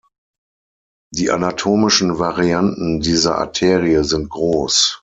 Die anatomischen Varianten dieser Arterie sind groß.